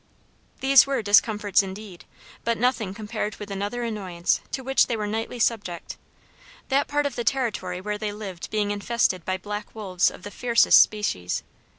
These were discomforts indeed, but nothing compared with another annoyance to which they were nightly subject that part of the territory where they lived being infested by black wolves of the fiercest species.